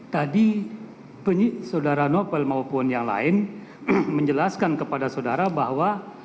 tadi saudara novel maupun yang lain menjelaskan kepada saudara bahwa